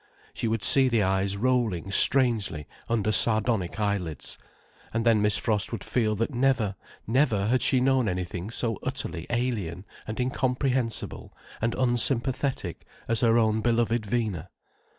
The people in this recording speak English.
She would see the eyes rolling strangely under sardonic eyelids, and then Miss Frost would feel that never, never had she known anything so utterly alien and incomprehensible and unsympathetic as her own beloved Vina.